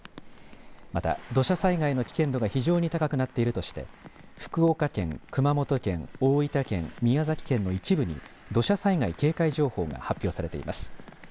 また土砂災害の危険度が非常に高くなっているとして福岡県、熊本県、大分県、宮崎県の一部に土砂災害警戒情報が発表されています。